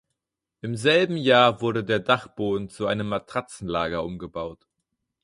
Im selben Jahr wurde der Dachboden zu einem Matratzenlager umgebaut.